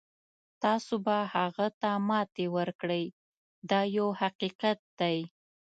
تاسو به هغه ته ماتې ورکړئ دا یو حقیقت دی.